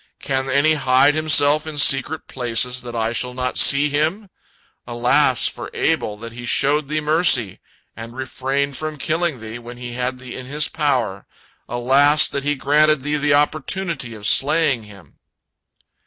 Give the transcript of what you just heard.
'Can any hide himself in secret places that I shall not see him?' Alas for Abel that he showed thee mercy, and refrained from killing thee, when he had thee in his power! Alas that he granted thee the opportunity of slaying him!"